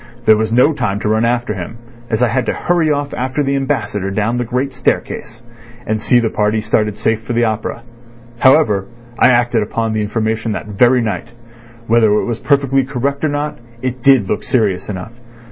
There was no time to run after him, as I had to hurry off after the Ambassador down the great staircase, and see the party started safe for the opera. However, I acted upon the information that very night. Whether it was perfectly correct or not, it did look serious enough.